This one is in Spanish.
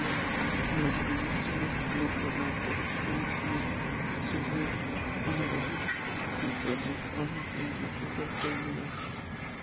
Las organizaciones no gubernamentales pueden tener que sufrir onerosos controles o sencillamente ser prohibidas.